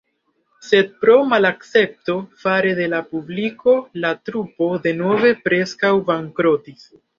Sed pro malakcepto fare de la publiko la trupo denove preskaŭ bankrotis.